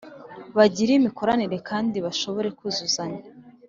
Bagirane imikoranire kandi bashobore kuzuzanya